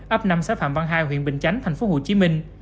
ấp năm xã phạm văn hai huyện bình chánh thành phố hồ chí minh